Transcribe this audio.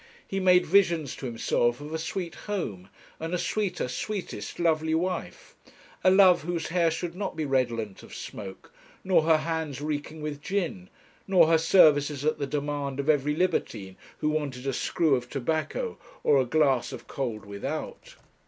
He made visions to himself of a sweet home, and a sweeter, sweetest, lovely wife; a love whose hair should not be redolent of smoke, nor her hands reeking with gin, nor her services at the demand of every libertine who wanted a screw of tobacco, or a glass of 'cold without.'